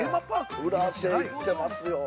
裏手行ってますよ。